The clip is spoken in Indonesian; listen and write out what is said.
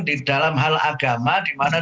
di dalam hal agama dimana